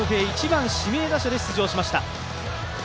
１番・指名打者で出場しました。